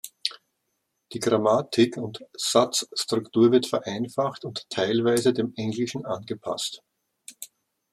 Die Grammatik und Satzstruktur wird vereinfacht und teilweise dem Englischen angepasst.